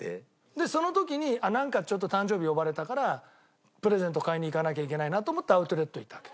でその時になんかちょっと誕生日呼ばれたからプレゼント買いに行かなきゃいけないなと思ってアウトレット行ったわけ。